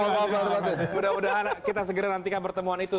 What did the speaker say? mudah mudahan kita segera nantikan pertemuan itu